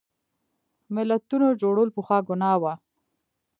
ملتونو جوړول پخوا ګناه وه.